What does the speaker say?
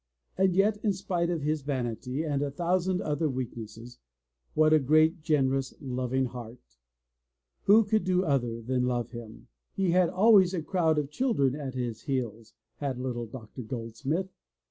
And yet, in spite of his vanity and a thousand other weaknesses, what a great, generous, loving heart ! Who could do other than love him? He had always a crowd of children at his heels, had little Doc tor Goldsmith.